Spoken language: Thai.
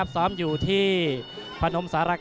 ซ้อมอยู่ที่พนมสารคา